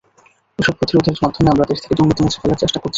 এসব প্রতিরোধের মাধ্যমে আমরা দেশ থেকে দুর্নীতি মুছে ফেলার চেষ্টা করছি।